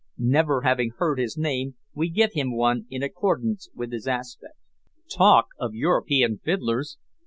Never having heard his name, we give him one in accordance with his aspect. Talk of European fiddlers!